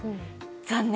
残念！